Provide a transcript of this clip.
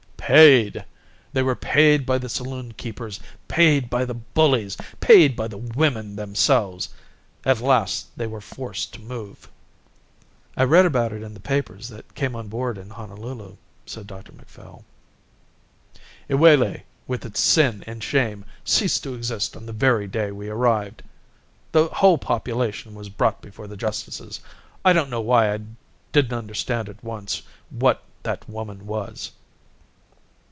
Paid. They were paid by the saloon keepers, paid by the bullies, paid by the women themselves. At last they were forced to move." "I read about it in the papers that came on board in Honolulu," said Dr Macphail. "Iwelei, with its sin and shame, ceased to exist on the very day we arrived. The whole population was brought before the justices. I don't know why I didn't understand at once what that woman was."